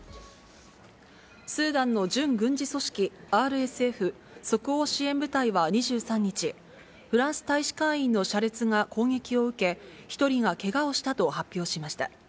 スーダンの準軍事組織、ＲＳＦ・即応支援部隊は２３日、フランス大使館員の車列が攻撃を受け、１人がけがをしたと発表しました。